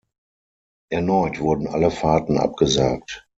Erneut wurden alle Fahrten abgesagt.